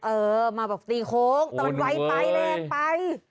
เออมาแบบตีโค้งแต่มันไว้ไปแรงไป